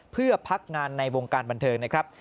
เพื่อพักงานในวงการบันเทิงนะครับ